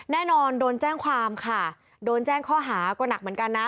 แน่นอนโดนแจ้งความค่ะโดนแจ้งข้อหาก็หนักเหมือนกันนะ